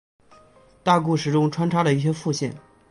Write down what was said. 大故事中穿插了一些副线。